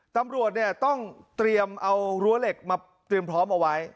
ตำรวจเนี่ยต้องเตรียมเอารั้วเหล็กมาเตรียมพร้อมเอาไว้